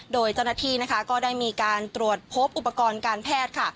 โดยเจ้าหน้าที่นะคะก็ได้มีการตรวจพบอุปกรณ์การแพทย์ค่ะ